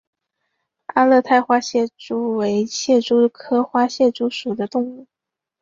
阿勒泰花蟹蛛为蟹蛛科花蟹蛛属的动物。